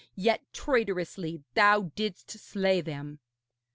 Yet traitorously thou didst slay them!'